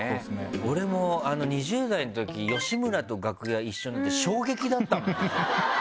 俺も２０代のとき吉村と楽屋一緒になって衝撃だったもん。